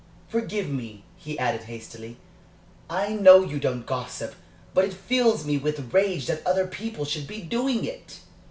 Forgive me," he added, hastily, "I know you don't gossip. But it fills me with rage that other people should be doing it."